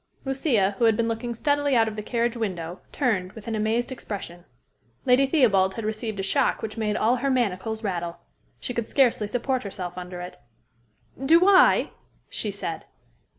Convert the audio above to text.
Lucia, who had been looking steadily out of the carriage window, turned, with an amazed expression. Lady Theobald had received a shock which made all her manacles rattle. She could scarcely support herself under it. "Do I" she said.